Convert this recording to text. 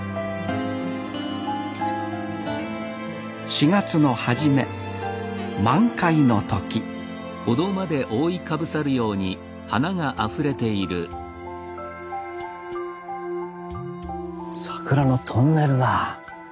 ４月の初め満開の時桜のトンネルだ。